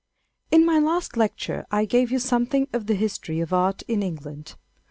IN my last lecture I gave you something of the history of Art in England.